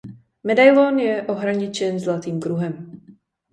Medailon je ohraničen zlatým kruhem.